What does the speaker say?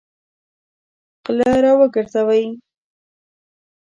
غله راوګرځوئ!